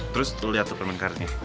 terus lo liat permen karetnya